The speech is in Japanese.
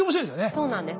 そうなんです。